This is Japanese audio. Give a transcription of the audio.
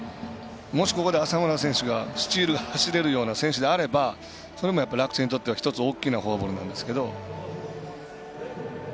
もし、ここで浅村選手がスチール走れるような選手であればそれは楽天にとっては１つ大きなフォアボールなんですけど。